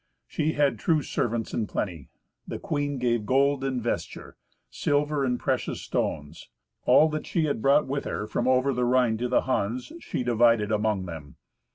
She had true servants in plenty. The queen gave gold and vesture, silver and precious stones. All that she had brought with her from over the Rhine to the Huns, she divided among them.